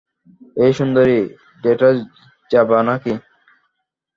এই সুন্দরী, ডেটে যাবা নাকি?